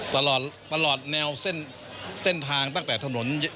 ตลอดตลอดแนวเส้นทางตั้งแต่ถนน